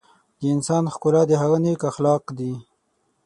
د انسان ښکلا د هغه نیک اخلاق دي.